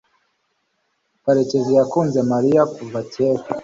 karekezi yakunze mariya kuva kera